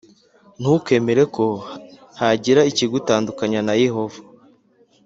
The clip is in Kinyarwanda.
Ntukemere ko hagira ikigutandukanya na yehova